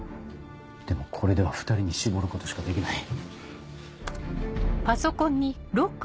でもこれでは２人に絞ることしかできない。